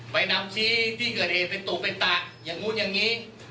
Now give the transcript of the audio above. ไปนำชี้ที่เกิดเหตุเป็นตัวเป็นตะอย่างนู้นอย่างนี้